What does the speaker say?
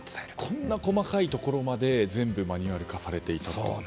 こんな細かいところまで全部マニュアル化されていたと。